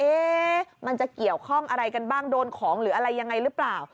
มันจะเกี่ยวข้องอะไรกันบ้างโดนของหรืออะไรยังไงหรือเปล่า